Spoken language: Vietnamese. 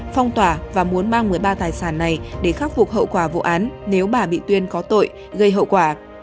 phong tỏa và muốn mang một mươi ba tài sản này để khắc phục hậu quả vụ án nếu bà bị tuyên có tội gây hậu quả